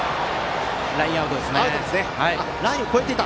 ラインアウトでしたね。